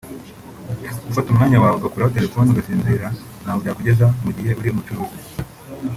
gufata umwanya wawe ugakuraho telephone ugasinzira ntaho byakugeza mu gihe uri umucuruzi